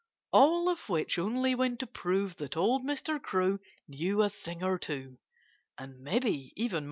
All of which only went to prove that old Mr. Crow knew a thing or two and maybe even more.